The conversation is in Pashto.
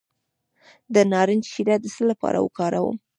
د نارنج شیره د څه لپاره وکاروم؟